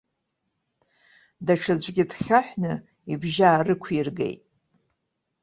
Даҽаӡәгьы дхьаҳәны ибжьы аарықәиргеит.